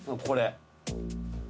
これ。